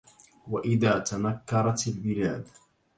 وإذا تنكرت البلاد